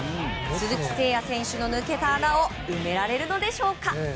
鈴木誠也選手の抜けた穴を埋められるのでしょうか？